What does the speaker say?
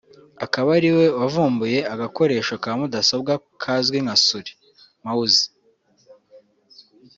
akaba ariwe wavumbuye agakoresho ka mudasobwa kazwi nka Souris (mouse)